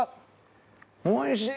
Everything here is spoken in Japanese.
おいしい！